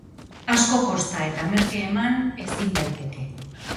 Asko kosta eta merke eman, ezin daiteke.